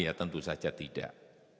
ya tentu saja tidak